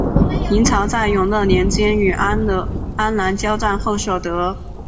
明朝在永乐年间与安南交战后所得。